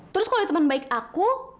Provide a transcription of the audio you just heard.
terus kalo dia temen baik aku